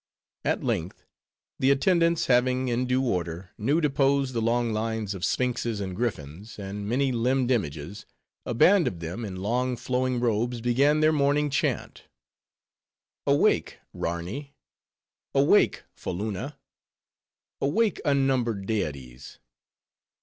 At length, the attendants having, in due order, new deposed the long lines of sphinxes and griffins, and many limbed images, a band of them, in long flowing robes, began their morning chant. "Awake Rarni! awake Foloona! Awake unnumbered deities!"